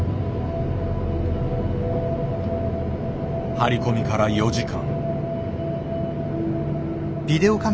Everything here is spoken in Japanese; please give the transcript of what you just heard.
張り込みから４時間。